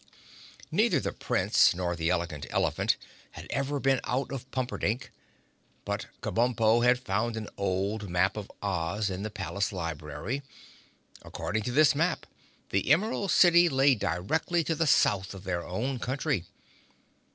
Neither the Prince nor the Elegant Elephant had ever been out of Pumperdink, but Kabumpo had found an old map of Oz in the palace library. According to this map, the Emerald City lay directly to the South of their own country.